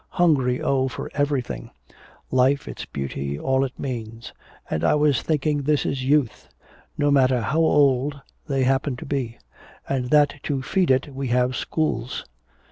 Hungry, oh, for everything life, its beauty, all it means. And I was thinking this is youth no matter how old they happen to be and that to feed it we have schools.